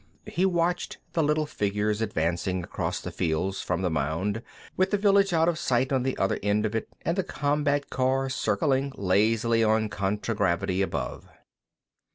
He watched the little figures advancing across the fields from the mound, with the village out of sight on the other end of it and the combat car circling lazily on contragravity above.